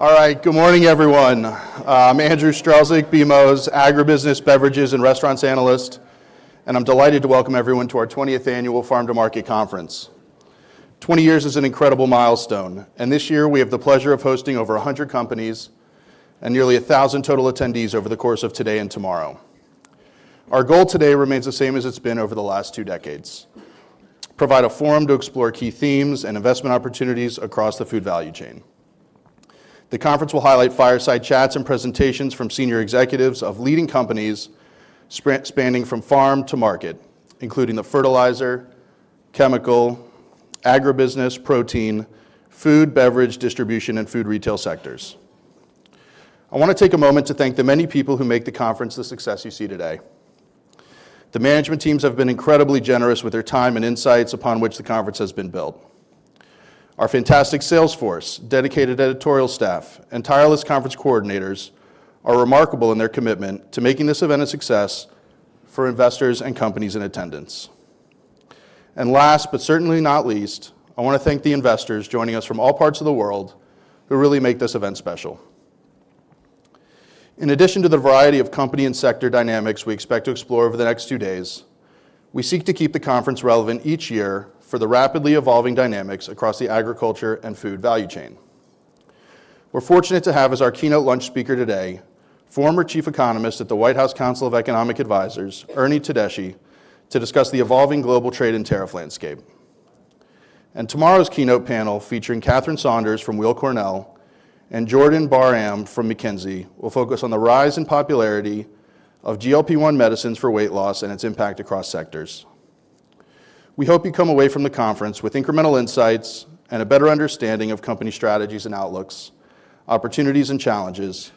All right, good morning, everyone. I'm Andrew Strelzik, BMO's Agribusiness, Beverages, and Restaurants Analyst, and I'm delighted to welcome everyone to our 20th Annual Farm to Market Conference. Twenty years is an incredible milestone, and this year we have the pleasure of hosting over 100 companies and nearly 1,000 total attendees over the course of today and tomorrow. Our goal today remains the same as it's been over the last two decades: provide a forum to explore key themes and investment opportunities across the food value chain. The conference will highlight fireside chats and presentations from senior executives of leading companies spanning from farm to market, including the fertilizer, chemical, agribusiness, protein, food, beverage, distribution, and food retail sectors. I want to take a moment to thank the many people who make the conference the success you see today. The management teams have been incredibly generous with their time and insights upon which the conference has been built. Our fantastic sales force, dedicated editorial staff, and tireless conference coordinators are remarkable in their commitment to making this event a success for investors and companies in attendance. Last but certainly not least, I want to thank the investors joining us from all parts of the world who really make this event special. In addition to the variety of company and sector dynamics we expect to explore over the next two days, we seek to keep the conference relevant each year for the rapidly evolving dynamics across the agriculture and food value chain. We're fortunate to have as our keynote lunch speaker today former Chief Economist at the White House Council of Economic Advisors, Ernie Tedeschi, to discuss the evolving global trade and tariff landscape. Tomorrow's keynote panel, featuring Katherine Saunders from Weill Cornell and Jordan Bar Am from McKinsey, will focus on the rise in popularity of GLP-1 medicines for weight loss and its impact across sectors. We hope you come away from the conference with incremental insights and a better understanding of company strategies and outlooks, opportunities and challenges,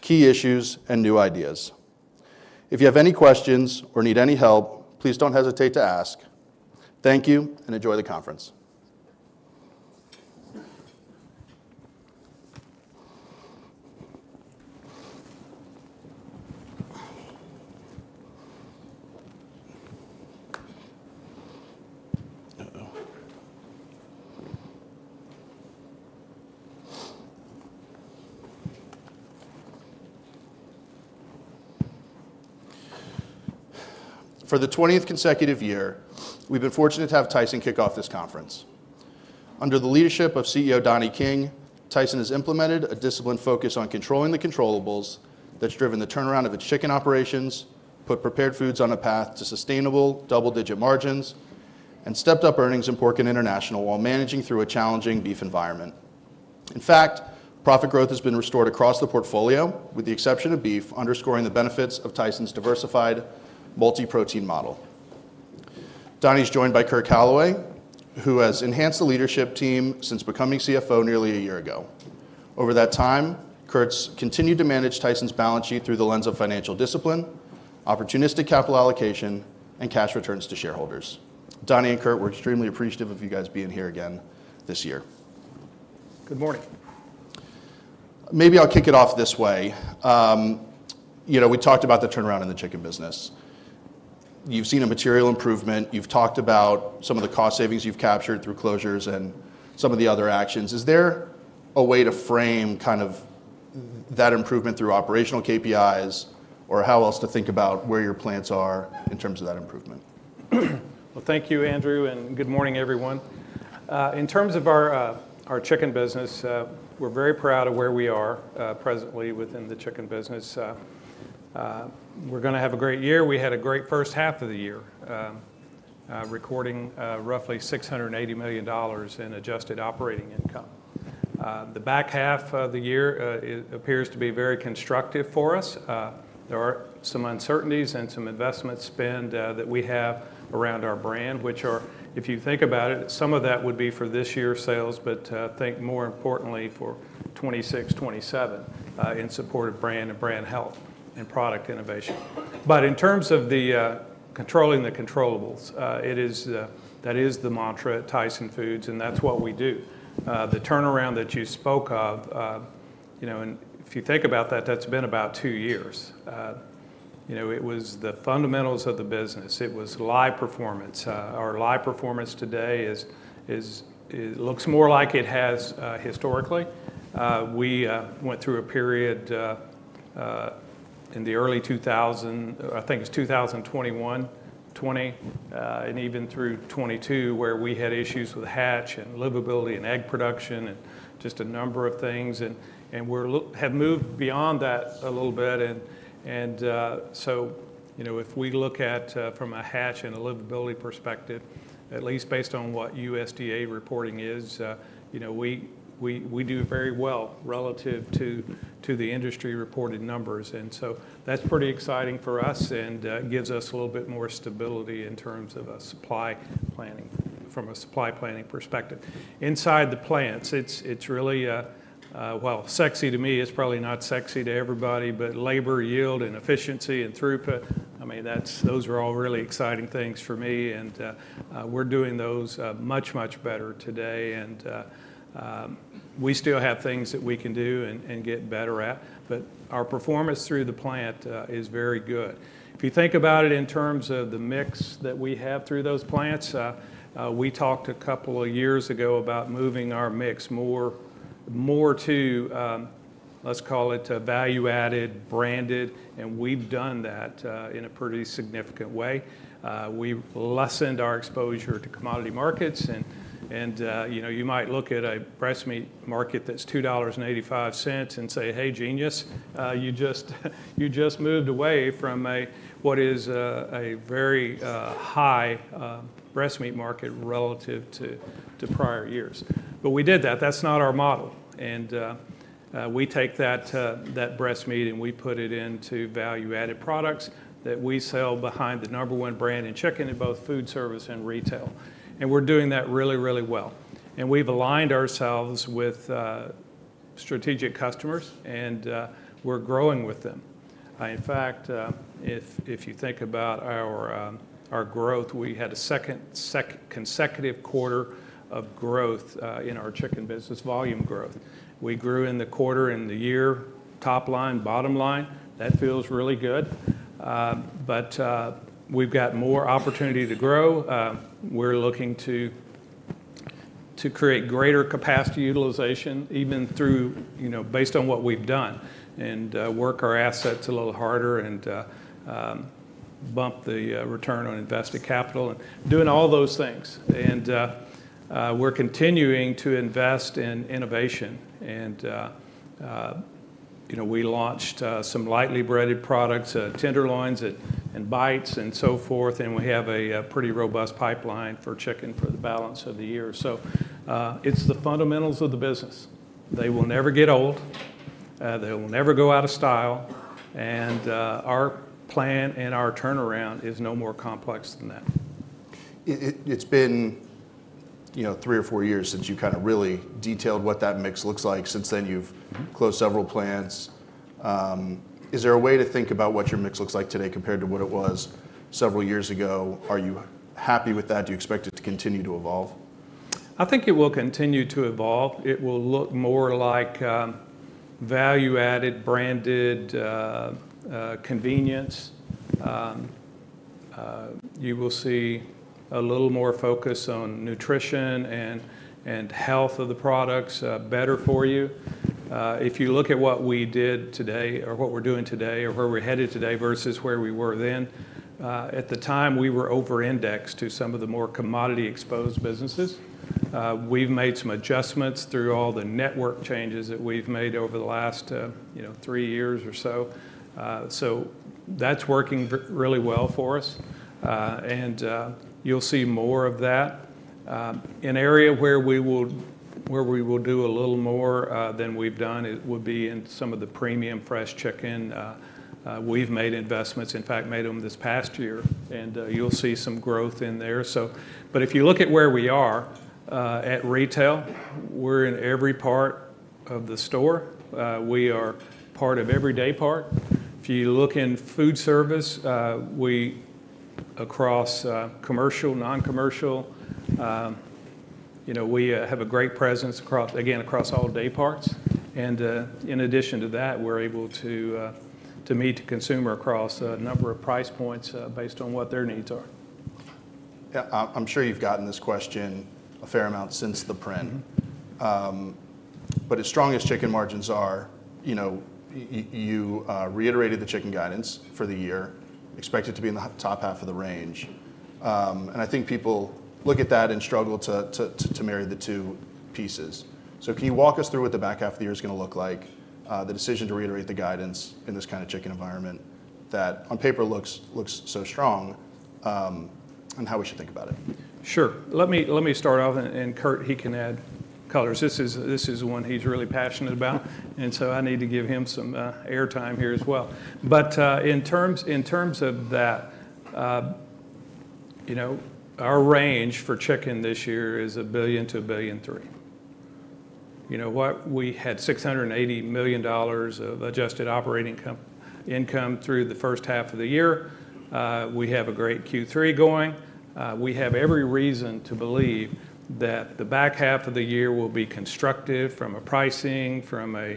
key issues, and new ideas. If you have any questions or need any help, please do not hesitate to ask. Thank you and enjoy the conference. For the 20th consecutive year, we have been fortunate to have Tyson kick off this conference. Under the leadership of CEO Donnie King, Tyson has implemented a disciplined focus on controlling the controllables, that has driven the turnaround of its chicken operations, put prepared foods on a path to sustainable double-digit margins, and stepped up earnings in pork and International while managing through a challenging beef environment. In fact, profit growth has been restored across the portfolio, with the exception of beef, underscoring the benefits of Tyson's diversified multi-protein model. Donnie's joined by Curt Calaway, who has enhanced the leadership team since becoming CFO nearly a year ago. Over that time, Curt's continued to manage Tyson's balance sheet through the lens of financial discipline, opportunistic capital allocation, and cash returns to shareholders. Donnie and Curt were extremely appreciative of you guys being here again this year. Good morning. Maybe I'll kick it off this way. You know, we talked about the turnaround in the chicken business. You've seen a material improvement. You've talked about some of the cost savings you've captured through closures and some of the other actions. Is there a way to frame kind of that improvement through operational KPIs, or how else to think about where your plans are in terms of that improvement? Thank you, Andrew, and good morning, everyone. In terms of our chicken business, we're very proud of where we are presently within the chicken business. We're going to have a great year. We had a great first half of the year, recording roughly $680 million in adjusted operating income. The back half of the year appears to be very constructive for us. There are some uncertainties and some investment spend that we have around our brand, which are, if you think about it, some of that would be for this year's sales, but I think more importantly for 2026, 2027, in support of brand and brand health and product innovation. In terms of controlling the controllables, that is the mantra at Tyson Foods, and that's what we do. The turnaround that you spoke of, you know, and if you think about that, that's been about two years. You know, it was the fundamentals of the business. It was live performance. Our live performance today looks more like it has historically. We went through a period in the early 2000s, I think it was 2021, 2020, and even through 2022, where we had issues with hatch and livability and egg production and just a number of things. We have moved beyond that a little bit. You know, if we look at from a hatch and a livability perspective, at least based on what USDA reporting is, you know, we do very well relative to the industry reported numbers. That is pretty exciting for us and gives us a little bit more stability in terms of supply planning from a supply planning perspective. Inside the plants, it is really, well, sexy to me. It's probably not sexy to everybody, but labor, yield, and efficiency and throughput, I mean, those are all really exciting things for me. We're doing those much, much better today. We still have things that we can do and get better at, but our performance through the plant is very good. If you think about it in terms of the mix that we have through those plants, we talked a couple of years ago about moving our mix more to, let's call it value-added, branded, and we've done that in a pretty significant way. We've lessened our exposure to commodity markets. You might look at a breast meat market that's $2.85 and say, "Hey, genius, you just moved away from what is a very high breast meat market relative to prior years." We did that. That's not our model. We take that breast meat and we put it into value-added products that we sell behind the number one brand in chicken in both food service and retail. We are doing that really, really well. We have aligned ourselves with strategic customers, and we are growing with them. In fact, if you think about our growth, we had a second consecutive quarter of growth in our chicken business, volume growth. We grew in the quarter and the year, top line, bottom line. That feels really good. We got more opportunity to grow. We are looking to create greater capacity utilization, even through, you know, based on what we have done, and work our assets a little harder and bump the return on invested capital, and doing all those things. We are continuing to invest in innovation. You know, we launched some lightly breaded products, tenderloins and bites, and so forth. We have a pretty robust pipeline for chicken for the balance of the year. It is the fundamentals of the business. They will never get old. They will never go out of style. Our plan and our turnaround is no more complex than that. It's been, you know, three or four years since you kind of really detailed what that mix looks like. Since then, you've closed several plants. Is there a way to think about what your mix looks like today compared to what it was several years ago? Are you happy with that? Do you expect it to continue to evolve? I think it will continue to evolve. It will look more like value-added, branded, convenience. You will see a little more focus on nutrition and health of the products, better for you. If you look at what we did today, or what we're doing today, or where we're headed today versus where we were then, at the time, we were over-indexed to some of the more commodity-exposed businesses. We've made some adjustments through all the network changes that we've made over the last, you know, three years or so. That is working really well for us. You will see more of that. An area where we will do a little more than we've done would be in some of the premium fresh chicken. We've made investments, in fact, made them this past year. You will see some growth in there. If you look at where we are at retail, we're in every part of the store. We are part of every day part. If you look in food service, we, across commercial, non-commercial, you know, we have a great presence, again, across all day parts. In addition to that, we're able to meet the consumer across a number of price points based on what their needs are. Yeah, I'm sure you've gotten this question a fair amount since the print. As strong as chicken margins are, you know, you reiterated the chicken guidance for the year, expect it to be in the top half of the range. I think people look at that and struggle to marry the two pieces. Can you walk us through what the back half of the year is going to look like, the decision to reiterate the guidance in this kind of chicken environment that, on paper, looks so strong, and how we should think about it? Sure. Let me start off, and Curt, he can add colors. This is one he is really passionate about. I need to give him some airtime here as well. In terms of that, you know, our range for chicken this year is $1 billion-$1.3 billion. You know, we had $680 million of adjusted operating income through the first half of the year. We have a great Q3 going. We have every reason to believe that the back half of the year will be constructive from a pricing, from a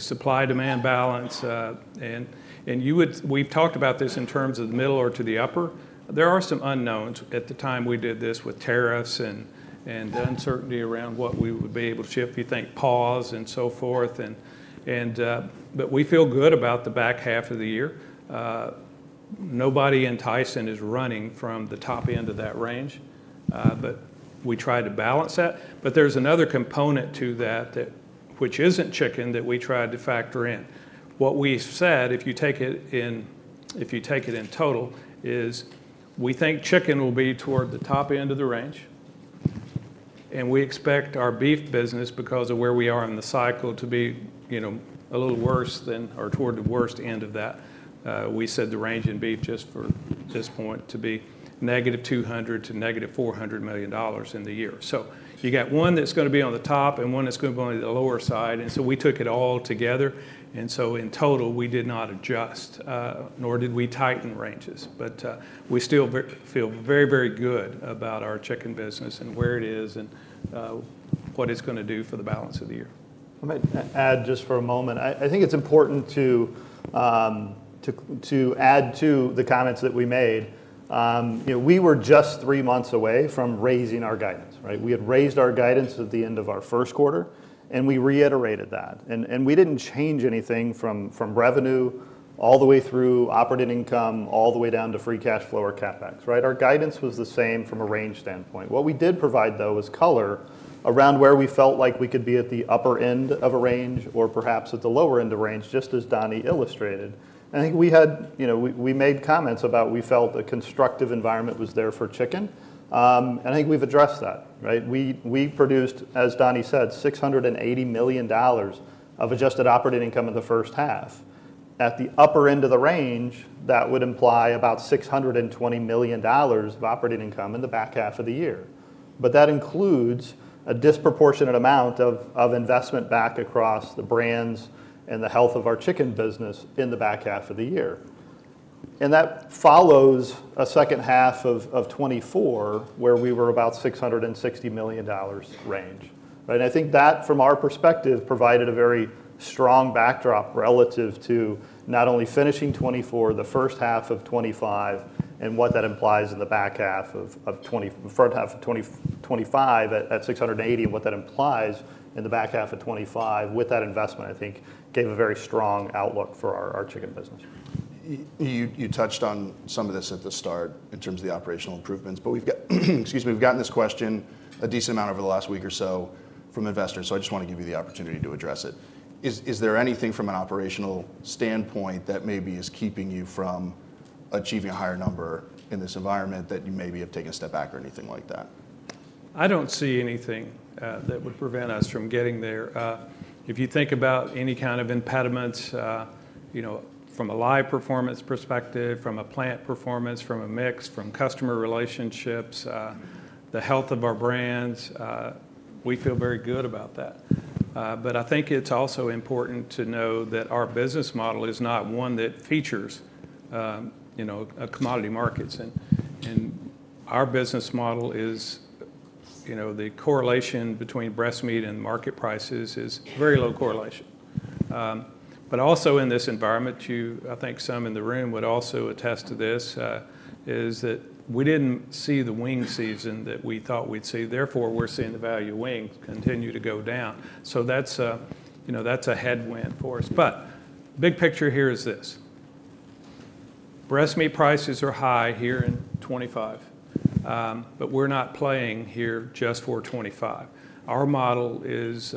supply demand balance. We have talked about this in terms of the middle or to the upper. There are some unknowns at the time we did this with tariffs and uncertainty around what we would be able to ship. You think PAWS and so forth. We feel good about the back half of the year. Nobody in Tyson is running from the top end of that range. We try to balance that. There is another component to that, which is not chicken, that we tried to factor in. What we have said, if you take it in total, is we think chicken will be toward the top end of the range. We expect our beef business, because of where we are in the cycle, to be, you know, a little worse than or toward the worst end of that. We said the range in beef just for this point to be -$200 million to -$400 million in the year. You have one that is going to be on the top and one that is going to be on the lower side. We took it all together. In total, we did not adjust, nor did we tighten ranges. We still feel very, very good about our chicken business and where it is and what it's going to do for the balance of the year. I might add just for a moment. I think it's important to add to the comments that we made. You know, we were just three months away from raising our guidance, right? We had raised our guidance at the end of our first quarter, and we reiterated that. We did not change anything from revenue all the way through operating income all the way down to free cash flow or CapEx, right? Our guidance was the same from a range standpoint. What we did provide, though, was color around where we felt like we could be at the upper end of a range or perhaps at the lower end of a range, just as Donnie illustrated. I think we had, you know, we made comments about we felt a constructive environment was there for chicken. I think we've addressed that, right? We produced, as Donnie said, $680 million of adjusted operating income in the first half. At the upper end of the range, that would imply about $620 million of operating income in the back half of the year. That includes a disproportionate amount of investment back across the brands and the health of our chicken business in the back half of the year. That follows a second half of 2024, where we were about $660 million range, right? I think that, from our perspective, provided a very strong backdrop relative to not only finishing 2024, the first half of 2025, and what that implies in the back half of 2025, at $680 million, and what that implies in the back half of 2025 with that investment, I think, gave a very strong outlook for our chicken business. You touched on some of this at the start in terms of the operational improvements. We have gotten this question a decent amount over the last week or so from investors. I just want to give you the opportunity to address it. Is there anything from an operational standpoint that maybe is keeping you from achieving a higher number in this environment that you maybe have taken a step back or anything like that? I do not see anything that would prevent us from getting there. If you think about any kind of impediments, you know, from a live performance perspective, from a plant performance, from a mix, from customer relationships, the health of our brands, we feel very good about that. I think it is also important to know that our business model is not one that features, you know, commodity markets. Our business model is, you know, the correlation between breast meat and market prices is very low correlation. In this environment, I think some in the room would also attest to this, is that we did not see the wing season that we thought we would see. Therefore, we are seeing the value of wings continue to go down. That is, you know, that is a headwind for us. The big picture here is this. Breast meat prices are high here in 2025, but we're not playing here just for 2025. Our model is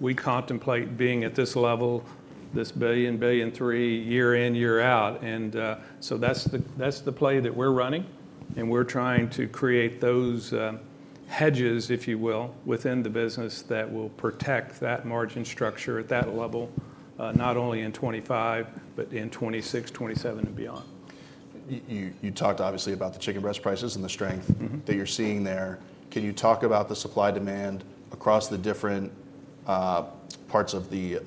we contemplate being at this level, this billion, billion three, year in, year out. That is the play that we're running. We are trying to create those hedges, if you will, within the business that will protect that margin structure at that level, not only in 2025, but in 2026, 2027, and beyond. You talked obviously about the chicken breast prices and the strength that you're seeing there. Can you talk about the supply demand across the different parts of the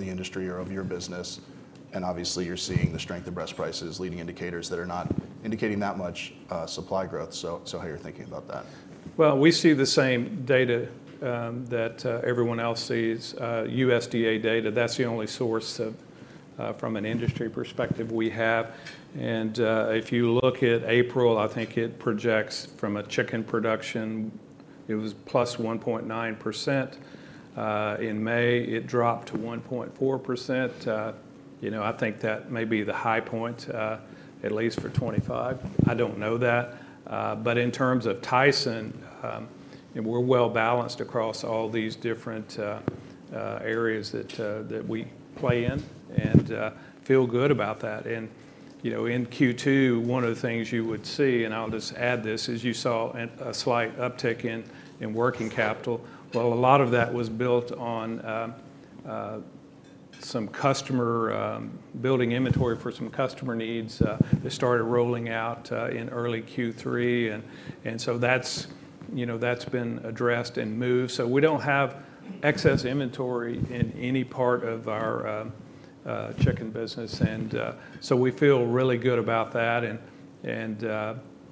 industry or of your business? Obviously, you're seeing the strength of breast prices, leading indicators that are not indicating that much supply growth. How are you thinking about that? We see the same data that everyone else sees, USDA data. That's the only source from an industry perspective we have. If you look at April, I think it projects from a chicken production, it was +1.9%. In May, it dropped to 1.4%. You know, I think that may be the high point, at least for 2025. I do not know that. In terms of Tyson, we're well balanced across all these different areas that we play in and feel good about that. You know, in Q2, one of the things you would see, and I'll just add this, is you saw a slight uptick in working capital. A lot of that was built on some customer building inventory for some customer needs that started rolling out in early Q3. That's been addressed and moved. We do not have excess inventory in any part of our chicken business. We feel really good about that.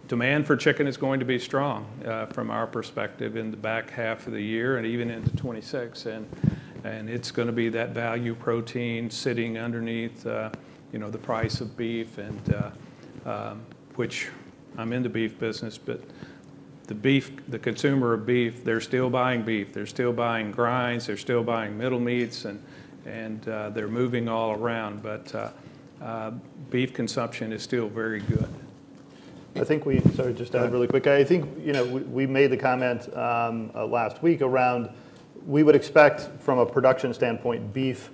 Demand for chicken is going to be strong from our perspective in the back half of the year and even into 2026. It is going to be that value protein sitting underneath, you know, the price of beef, which, I am in the beef business. The consumer of beef, they are still buying beef. They are still buying grinds. They are still buying middle meats. They are moving all around. Beef consumption is still very good. I think we, sorry, just to add really quick. I think, you know, we made the comment last week around we would expect from a production standpoint, beef,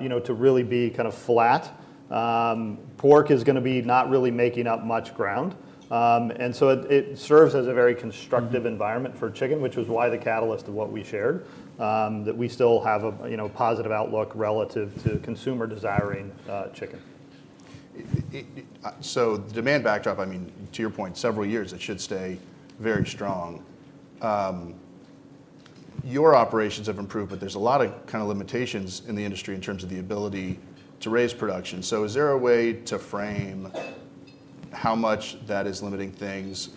you know, to really be kind of flat. Pork is going to be not really making up much ground. It serves as a very constructive environment for chicken, which was why the catalyst of what we shared, that we still have a, you know, positive outlook relative to consumer desiring chicken. The demand backdrop, I mean, to your point, several years, it should stay very strong. Your operations have improved, but there is a lot of kind of limitations in the industry in terms of the ability to raise production. Is there a way to frame how much that is limiting things,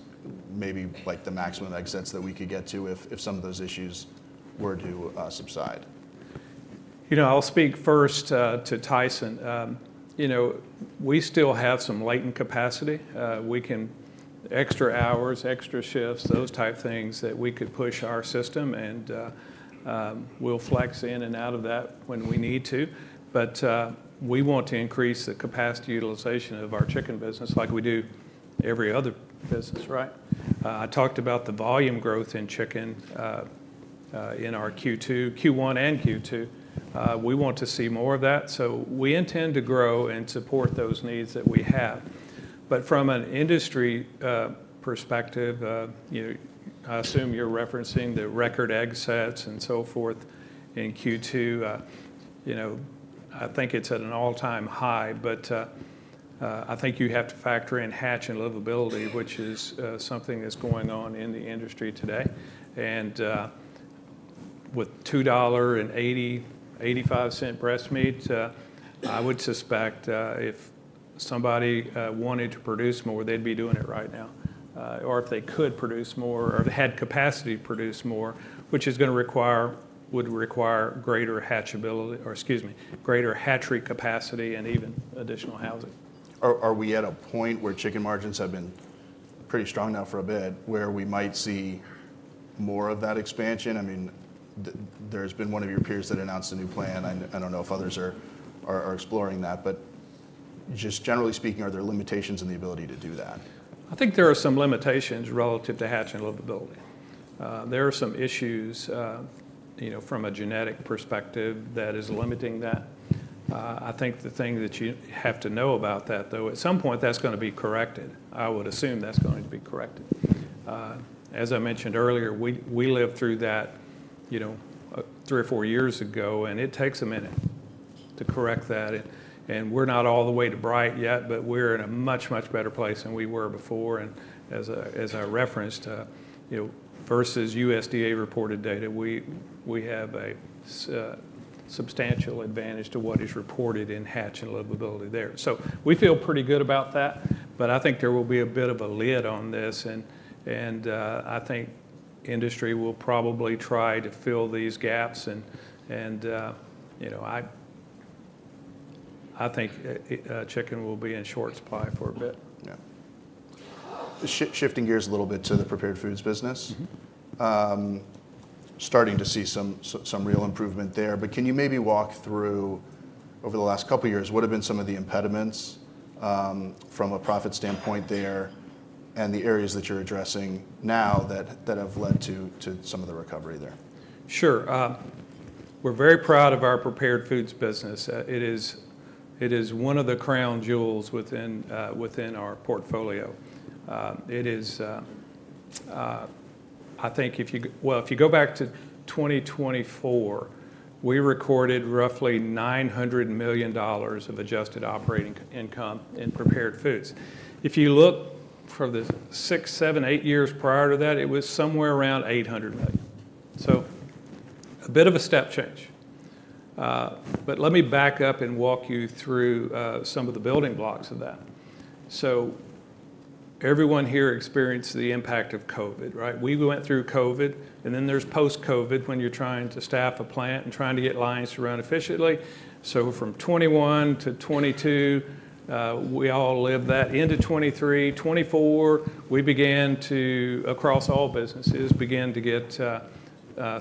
maybe like the maximum excess that we could get to if some of those issues were to subside? You know, I'll speak first to Tyson. You know, we still have some latent capacity. We can extra hours, extra shifts, those type things that we could push our system. And we'll flex in and out of that when we need to. We want to increase the capacity utilization of our chicken business like we do every other business, right? I talked about the volume growth in chicken in our Q1 and Q2. We want to see more of that. We intend to grow and support those needs that we have. From an industry perspective, you know, I assume you're referencing the record excess and so forth in Q2. I think it's at an all-time high. I think you have to factor in hatch and livability, which is something that's going on in the industry today. With $2.85 breast meat, I would suspect if somebody wanted to produce more, they'd be doing it right now. Or if they could produce more or had capacity to produce more, which is going to require, would require greater hatchability or, excuse me, greater hatchery capacity and even additional housing. Are we at a point where chicken margins have been pretty strong now for a bit where we might see more of that expansion? I mean, there's been one of your peers that announced a new plan. I don't know if others are exploring that. Just generally speaking, are there limitations in the ability to do that? I think there are some limitations relative to hatch and livability. There are some issues, you know, from a genetic perspective that is limiting that. I think the thing that you have to know about that, though, at some point, that is going to be corrected. I would assume that is going to be corrected. As I mentioned earlier, we lived through that, you know, three or four years ago. It takes a minute to correct that. We are not all the way to bright yet, but we are in a much, much better place than we were before. As I referenced, you know, versus USDA reported data, we have a substantial advantage to what is reported in hatch and livability there. We feel pretty good about that. I think there will be a bit of a lid on this. I think industry will probably try to fill these gaps. You know, I think chicken will be in short supply for a bit. Yeah. Shifting gears a little bit to the prepared foods business, starting to see some real improvement there. Can you maybe walk through over the last couple of years, what have been some of the impediments from a profit standpoint there and the areas that you're addressing now that have led to some of the recovery there? Sure. We're very proud of our prepared foods business. It is one of the crown jewels within our portfolio. It is, I think, if you, well, if you go back to 2024, we recorded roughly $900 million of adjusted operating income in prepared foods. If you look for the six, seven, eight years prior to that, it was somewhere around $800 million. So a bit of a step change. Let me back up and walk you through some of the building blocks of that. Everyone here experienced the impact of COVID, right? We went through COVID. Then there is post-COVID when you're trying to staff a plant and trying to get lines to run efficiently. From 2021-2022, we all lived that into 2023. In 2024, we began to, across all businesses, began to get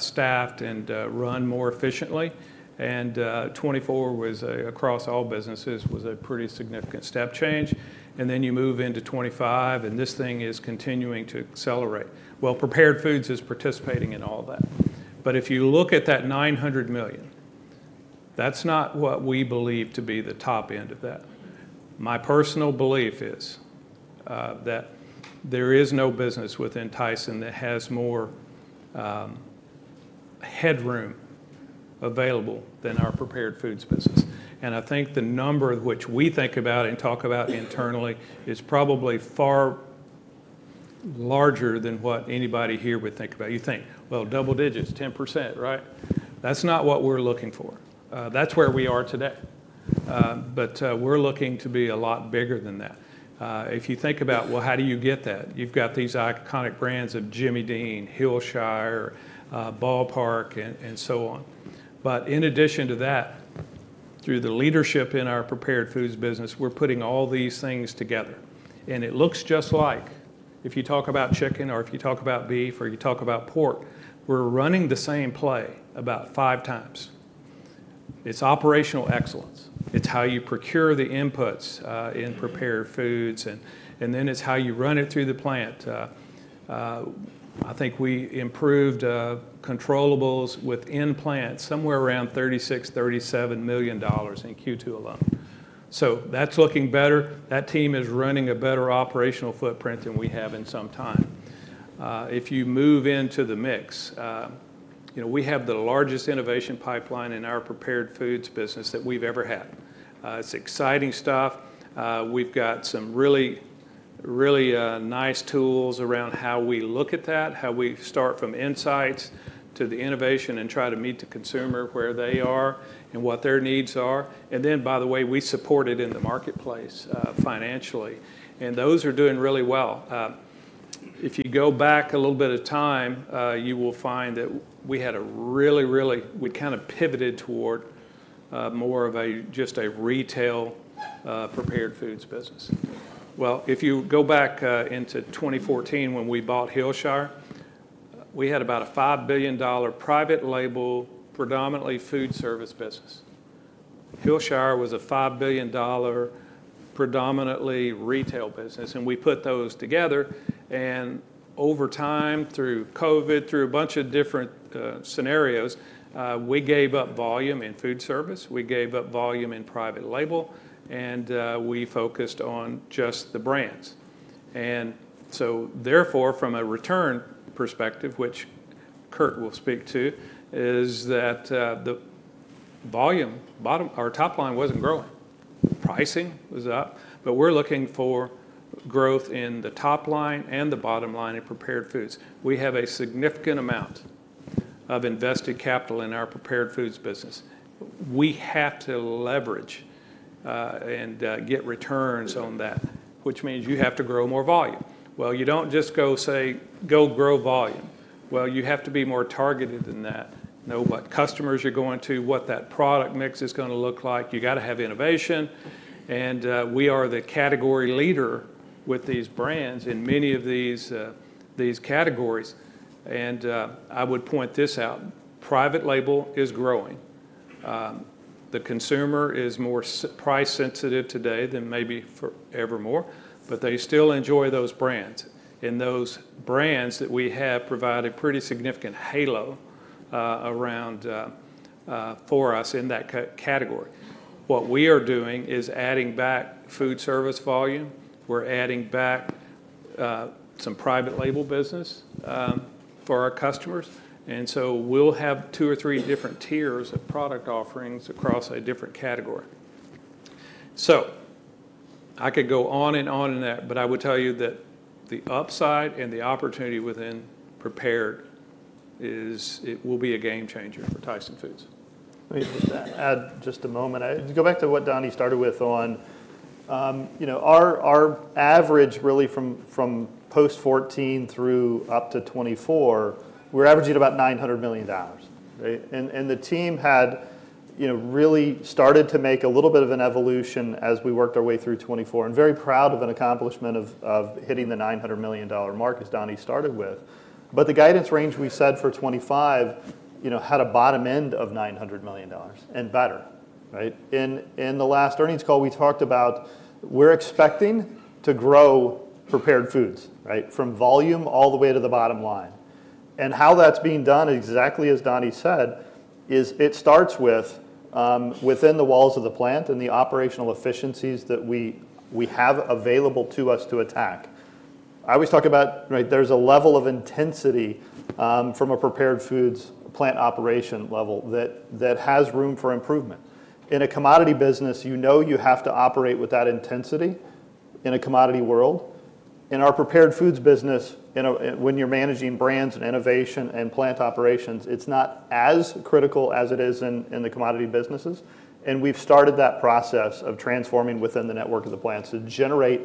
staffed and run more efficiently. 2024 was, across all businesses, a pretty significant step change. You move into twenty 2025, and this thing is continuing to accelerate. Prepared foods is participating in all that. If you look at that $900 million, that is not what we believe to be the top end of that. My personal belief is that there is no business within Tyson that has more headroom available than our prepared foods business. I think the number of which we think about and talk about internally is probably far larger than what anybody here would think about. You think, double digits, 10%, right? That is not what we are looking for. That is where we are today. We are looking to be a lot bigger than that. If you think about, how do you get that? You have got these iconic brands of Jimmy Dean, Hillshire, Ball Park, and so on. In addition to that, through the leadership in our prepared foods business, we're putting all these things together. It looks just like if you talk about chicken or if you talk about beef or you talk about pork, we're running the same play about five times. It's operational excellence. It's how you procure the inputs in prepared foods. Then it's how you run it through the plant. I think we improved controllable within plants somewhere around $36 million-$37 million in Q2 alone. That's looking better. That team is running a better operational footprint than we have in some time. If you move into the mix, you know, we have the largest innovation pipeline in our prepared foods business that we've ever had. It's exciting stuff. We've got some really, really nice tools around how we look at that, how we start from insights to the innovation and try to meet the consumer where they are and what their needs are. By the way, we support it in the marketplace financially. Those are doing really well. If you go back a little bit of time, you will find that we kind of pivoted toward more of just a retail prepared foods business. If you go back into 2014 when we bought Hillshire, we had about a $5 billion private label, predominantly food service business. Hillshire was a $5 billion predominantly retail business. We put those together. Over time, through COVID, through a bunch of different scenarios, we gave up volume in food service. We gave up volume in private label. We focused on just the brands. Therefore, from a return perspective, which Curt will speak to, the volume bottom or top line was not growing. Pricing was up. We are looking for growth in the top line and the bottom line in prepared foods. We have a significant amount of invested capital in our prepared foods business. We have to leverage and get returns on that, which means you have to grow more volume. You do not just say, go grow volume. You have to be more targeted than that, know what customers you are going to, what that product mix is going to look like. You have to have innovation. We are the category leader with these brands in many of these categories. I would point this out. Private label is growing. The consumer is more price sensitive today than maybe ever more. They still enjoy those brands. Those brands that we have provided pretty significant halo around for us in that category. What we are doing is adding back food service volume. We are adding back some private label business for our customers. We will have two or three different tiers of product offerings across a different category. I could go on and on in that. I would tell you that the upside and the opportunity within prepared is it will be a game changer for Tyson Foods. Let me just add just a moment. Go back to what Donnie started with on, you know, our average really from post-2014 through up to 2024, we're averaging about $900 million. And the team had, you know, really started to make a little bit of an evolution as we worked our way through 2024. And very proud of an accomplishment of hitting the $900 million mark as Donnie started with. The guidance range we set for 2025, you know, had a bottom end of $900 million and better, right? In the last earnings call, we talked about we're expecting to grow prepared foods, right, from volume all the way to the bottom line. How that's being done, exactly as Donnie said, is it starts with within the walls of the plant and the operational efficiencies that we have available to us to attack. I always talk about, right, there's a level of intensity from a prepared foods plant operation level that has room for improvement. In a commodity business, you know you have to operate with that intensity in a commodity world. In our prepared foods business, when you're managing brands and innovation and plant operations, it's not as critical as it is in the commodity businesses. We have started that process of transforming within the network of the plants to generate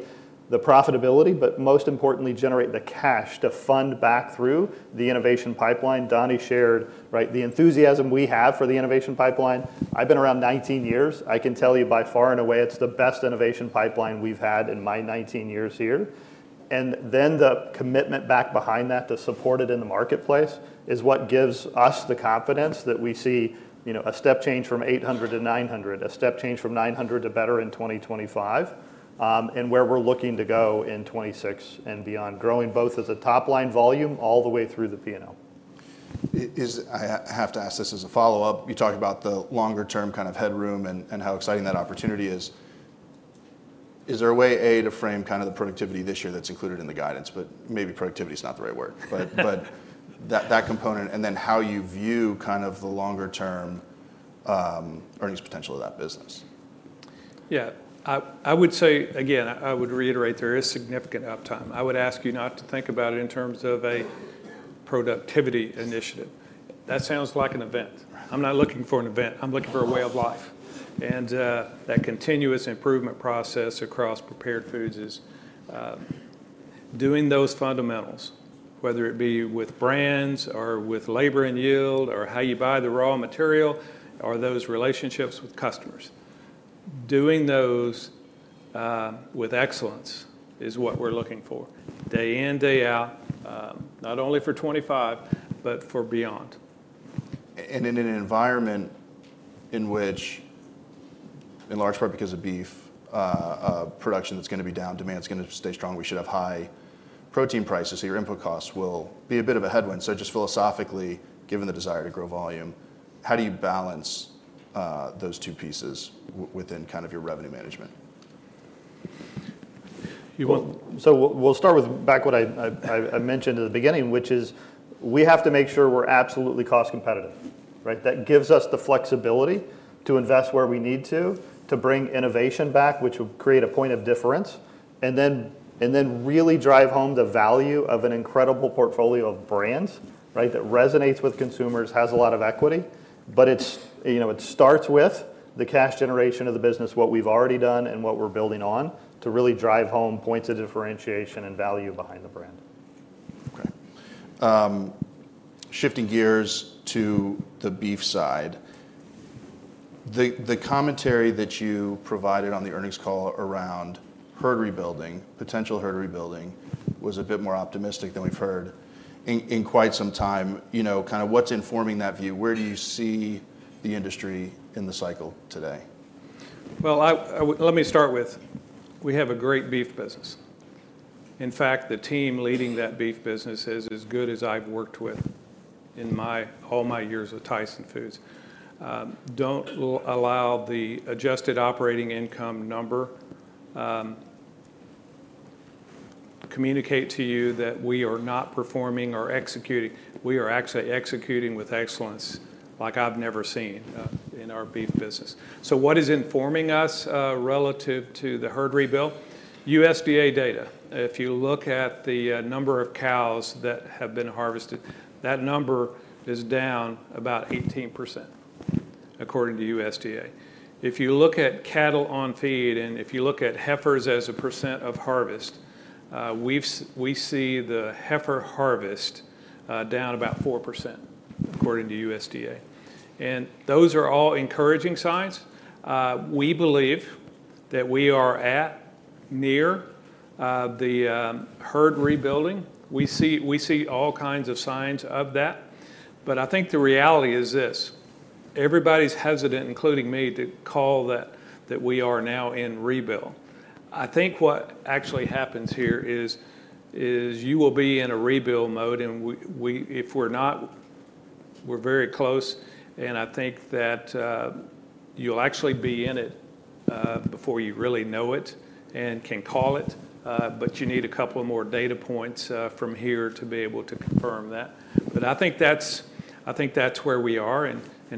the profitability, but most importantly, generate the cash to fund back through the innovation pipeline. Donnie shared, right, the enthusiasm we have for the innovation pipeline. I've been around 19 years. I can tell you by far and away, it's the best innovation pipeline we've had in my 19 years here. The commitment back behind that to support it in the marketplace is what gives us the confidence that we see, you know, a step change from $800 to $900, a step change from $900 to better in 2025, and where we're looking to go in 2026 and beyond, growing both as a top line volume all the way through the P&L. I have to ask this as a follow-up. You talked about the longer-term kind of headroom and how exciting that opportunity is. Is there a way a, to frame kind of the productivity this year that's included in the guidance? Maybe productivity is not the right word. That component and then how you view kind of the longer-term earnings potential of that business. Yeah. I would say, again, I would reiterate there is significant uptime. I would ask you not to think about it in terms of a productivity initiative. That sounds like an event. I'm not looking for an event. I'm looking for a way of life. That continuous improvement process across prepared foods is doing those fundamentals, whether it be with brands or with labor and yield or how you buy the raw material or those relationships with customers. Doing those with excellence is what we're looking for day in, day out, not only for 2025, but for beyond. In an environment in which, in large part because of beef, production is going to be down, demand is going to stay strong, we should have high protein prices. Your input costs will be a bit of a headwind. Just philosophically, given the desire to grow volume, how do you balance those two pieces within kind of your revenue management? We'll start with back what I mentioned at the beginning, which is we have to make sure we're absolutely cost competitive, right? That gives us the flexibility to invest where we need to, to bring innovation back, which will create a point of difference, and then really drive home the value of an incredible portfolio of brands, right, that resonates with consumers, has a lot of equity. It starts with the cash generation of the business, what we've already done, and what we're building on to really drive home points of differentiation and value behind the brand. Okay. Shifting gears to the beef side, the commentary that you provided on the earnings call around herd rebuilding, potential herd rebuilding, was a bit more optimistic than we've heard in quite some time. You know, kind of what's informing that view? Where do you see the industry in the cycle today? Let me start with, we have a great beef business. In fact, the team leading that beef business is as good as I've worked with in all my years with Tyson Foods. Do not allow the adjusted operating income number to communicate to you that we are not performing or executing. We are actually executing with excellence like I've never seen in our beef business. What is informing us relative to the herd rebuild? USDA data. If you look at the number of cows that have been harvested, that number is down about 18%, according to USDA. If you look at cattle on feed and if you look at heifers as a percent of harvest, we see the heifer harvest -4%, according to USDA. Those are all encouraging signs. We believe that we are at near the herd rebuilding. We see all kinds of signs of that. I think the reality is this. Everybody's hesitant, including me, to call that we are now in rebuild. I think what actually happens here is you will be in a rebuild mode. If we're not, we're very close. I think that you'll actually be in it before you really know it and can call it. You need a couple more data points from here to be able to confirm that. I think that's where we are.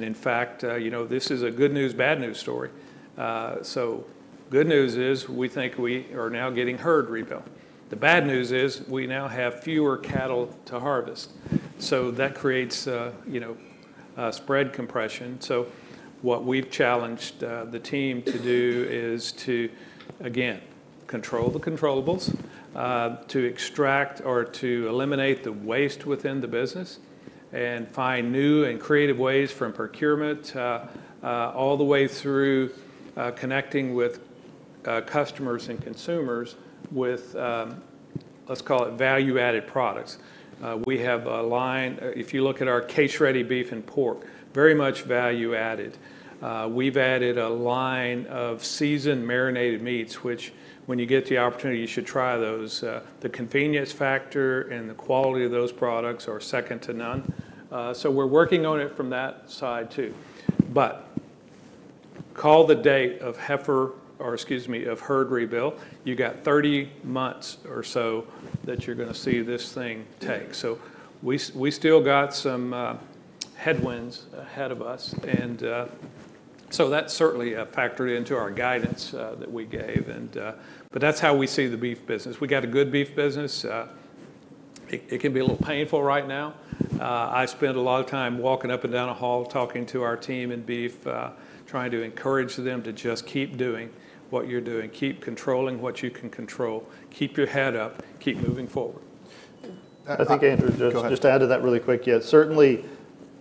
In fact, you know, this is a good news, bad news story. The good news is we think we are now getting herd rebuild. The bad news is we now have fewer cattle to harvest. That creates, you know, spread compression. What we've challenged the team to do is to, again, control the controllables to extract or to eliminate the waste within the business and find new and creative ways from procurement all the way through connecting with customers and consumers with, let's call it, value-added products. We have a line, if you look at our case-ready beef and pork, very much value-added. We've added a line of seasoned marinated meats, which when you get the opportunity, you should try those. The convenience factor and the quality of those products are second to none. We're working on it from that side too. Call the date of heifer or, excuse me, of herd rebuild. You got 30 months or so that you're going to see this thing take. We still got some headwinds ahead of us. That is certainly factored into our guidance that we gave. That is how we see the beef business. We got a good beef business. It can be a little painful right now. I spend a lot of time walking up and down a hall talking to our team in beef, trying to encourage them to just keep doing what you're doing, keep controlling what you can control, keep your head up, keep moving forward. I think Andrew just added that really quick. Yeah, certainly,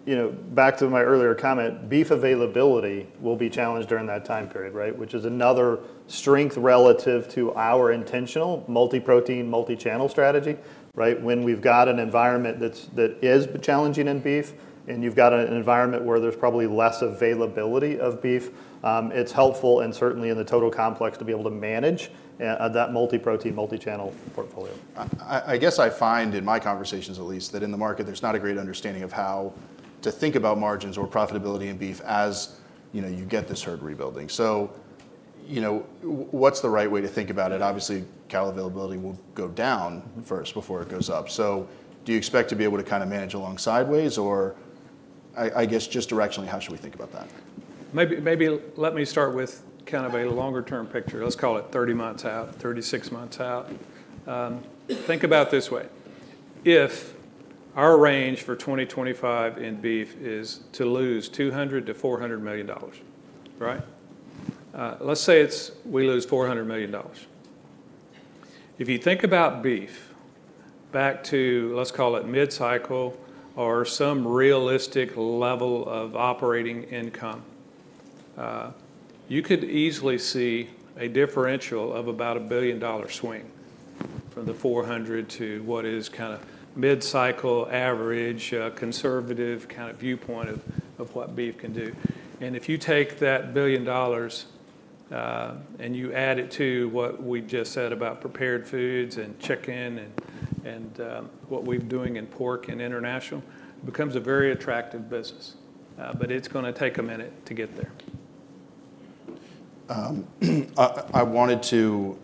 you know, back to my earlier comment, beef availability will be challenged during that time period, right, which is another strength relative to our intentional multi-protein, multi-channel strategy, right? When we've got an environment that is challenging in beef and you've got an environment where there's probably less availability of beef, it's helpful and certainly in the total complex to be able to manage that multi-protein, multi-channel portfolio. I guess I find in my conversations, at least, that in the market, there's not a great understanding of how to think about margins or profitability in beef as you get this herd rebuilding. So, you know, what's the right way to think about it? Obviously, cattle availability will go down first before it goes up. Do you expect to be able to kind of manage along sideways? Or I guess just directionally, how should we think about that? Maybe let me start with kind of a longer-term picture. Let's call it 30 months out, 36 months out. Think about it this way. If our range for 2025 in beef is to lose $200 million-$400 million, right? Let's say we lose $400 million. If you think about beef back to, let's call it mid-cycle or some realistic level of operating income, you could easily see a differential of about a $1 billion swing from the $400 million to what is kind of mid-cycle average conservative kind of viewpoint of what beef can do. If you take that $1 billion and you add it to what we just said about prepared foods and chicken and what we're doing in pork and international, it becomes a very attractive business. It is going to take a minute to get there. I wanted to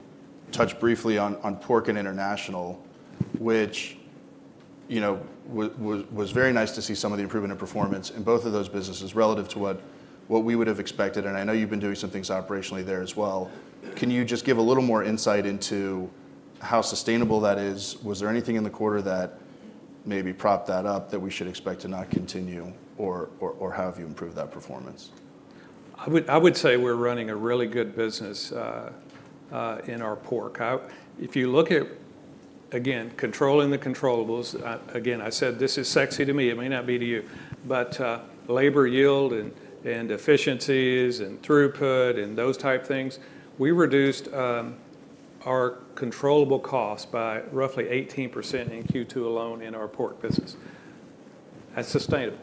touch briefly on pork and international, which, you know, was very nice to see some of the improvement in performance in both of those businesses relative to what we would have expected. I know you've been doing some things operationally there as well. Can you just give a little more insight into how sustainable that is? Was there anything in the quarter that maybe propped that up that we should expect to not continue or have you improved that performance? I would say we're running a really good business in our pork. If you look at, again, controlling the controllables. Again, I said this is sexy to me. It may not be to you. Labor yield and efficiencies and throughput and those type things, we reduced our controllable costs by roughly 18% in Q2 alone in our pork business. That's sustainable.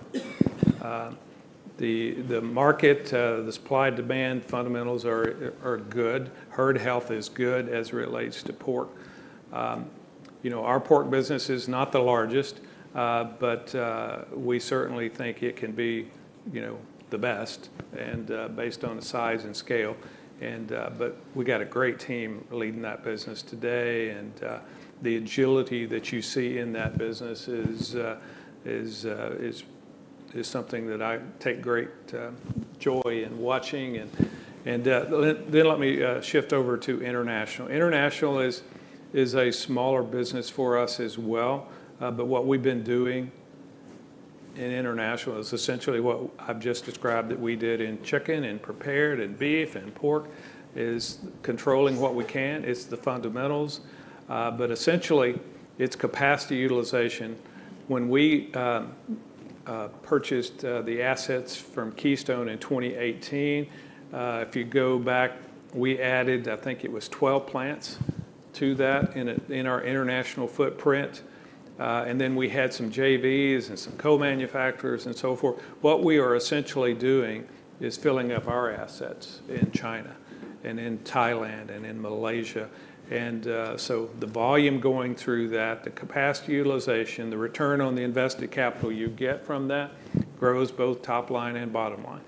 The market, the supply demand fundamentals are good. Herd health is good as it relates to pork. You know, our pork business is not the largest, but we certainly think it can be, you know, the best based on the size and scale. We got a great team leading that business today. The agility that you see in that business is something that I take great joy in watching. Let me shift over to international. International is a smaller business for us as well. What we've been doing in international is essentially what I've just described that we did in chicken and prepared and beef and pork, is controlling what we can. It's the fundamentals. Essentially, it's capacity utilization. When we purchased the assets from Keystone in 2018, if you go back, we added, I think it was 12 plants to that in our international footprint. We had some JVs and some co-manufacturers and so forth. What we are essentially doing is filling up our assets in China and in Thailand and in Malaysia. The volume going through that, the capacity utilization, the return on the invested capital you get from that grows both top line and bottom line.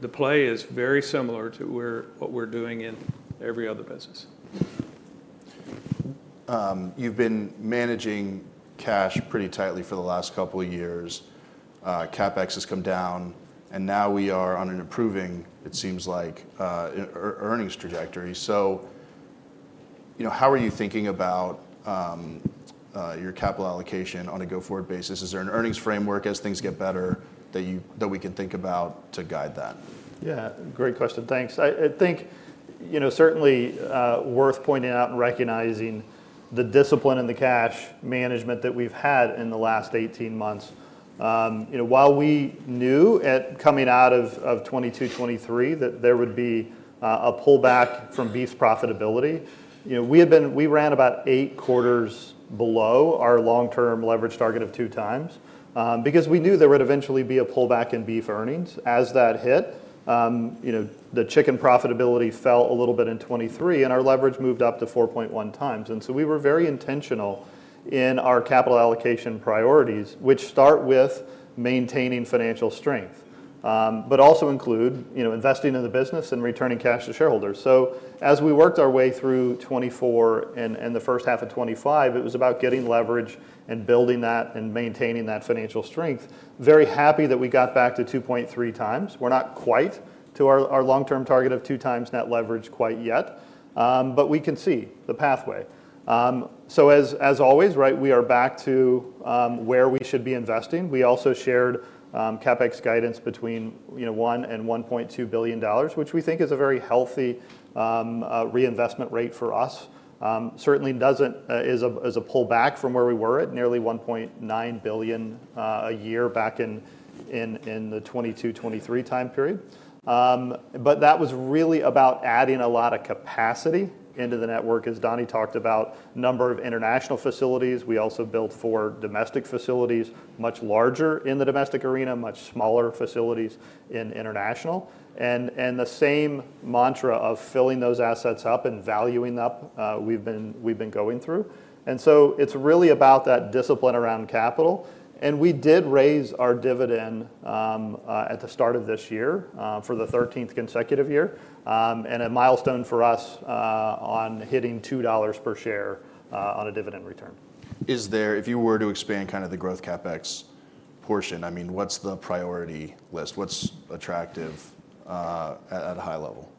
The play is very similar to what we're doing in every other business. You've been managing cash pretty tightly for the last couple of years. CapEx has come down. Now we are on an improving, it seems like, earnings trajectory. You know, how are you thinking about your capital allocation on a go-forward basis? Is there an earnings framework as things get better that we can think about to guide that? Yeah, great question. Thanks. I think, you know, certainly worth pointing out and recognizing the discipline in the cash management that we've had in the last 18 months. You know, while we knew at coming out of 2022, 2023 that there would be a pullback from beef profitability, you know, we ran about eight quarters below our long-term leverage target of two times because we knew there would eventually be a pullback in beef earnings as that hit. You know, the chicken profitability fell a little bit in 2023, and our leverage moved up to 4.1 times. And so we were very intentional in our capital allocation priorities, which start with maintaining financial strength, but also include, you know, investing in the business and returning cash to shareholders. As we worked our way through 2024 and the first half of 2025, it was about getting leverage and building that and maintaining that financial strength. Very happy that we got back to 2.3 times. We're not quite to our long-term target of two times net leverage quite yet, but we can see the pathway. As always, right, we are back to where we should be investing. We also shared CapEx guidance between $1 billion and $1.2 billion, which we think is a very healthy reinvestment rate for us. Certainly does not as a pullback from where we were at nearly $1.9 billion a year back in the 2022, 2023 time period. That was really about adding a lot of capacity into the network, as Donnie talked about, number of international facilities. We also built four domestic facilities, much larger in the domestic arena, much smaller facilities in international. The same mantra of filling those assets up and valuing up we've been going through. It is really about that discipline around capital. We did raise our dividend at the start of this year for the 13th consecutive year and a milestone for us on hitting $2 per share on a dividend return. Is there, if you were to expand kind of the growth CapEx portion, I mean, what's the priority list? What's attractive at a high level?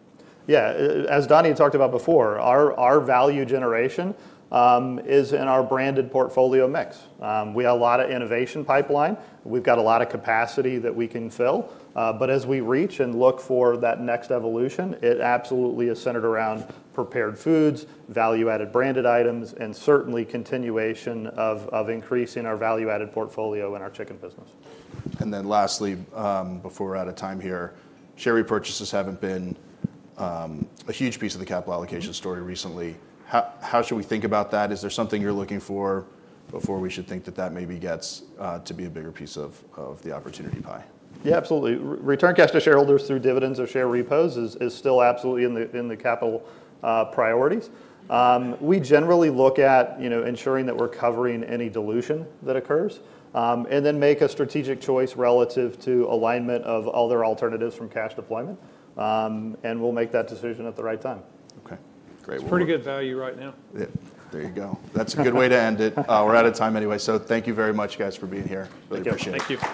Yeah, as Donnie had talked about before, our value generation is in our branded portfolio mix. We have a lot of innovation pipeline. We've got a lot of capacity that we can fill. As we reach and look for that next evolution, it absolutely is centered around prepared foods, value-added branded items, and certainly continuation of increasing our value-added portfolio in our chicken business. Lastly, before we're out of time here, share repurchases haven't been a huge piece of the capital allocation story recently. How should we think about that? Is there something you're looking for before we should think that that maybe gets to be a bigger piece of the opportunity pie? Yeah, absolutely. Return cash to shareholders through dividends or share repurchases is still absolutely in the capital priorities. We generally look at, you know, ensuring that we're covering any dilution that occurs and then make a strategic choice relative to alignment of other alternatives from cash deployment. We will make that decision at the right time. Okay, great. It's pretty good value right now. There you go. That's a good way to end it. We're out of time anyway. Thank you very much, guys, for being here. Thank you. Really appreciate it. Thank you.